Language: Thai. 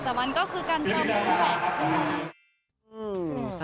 แต่มันก็คือการเสริม